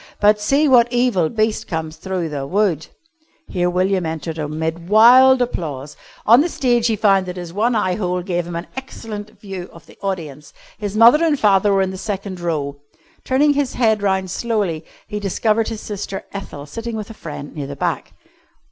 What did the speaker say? But, see what evil beast comes through the wood!" Here William entered amid wild applause. On the stage he found that his one eye hole gave him an excellent view of the audience. His mother and father were in the second row. Turning his head round slowly he discovered his sister Ethel sitting with a friend near the back.